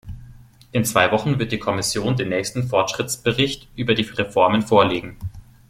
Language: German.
In zwei Wochen wird die Kommission den nächsten Fortschrittsbericht über die Reformen vorlegen.